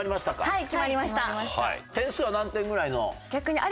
はい。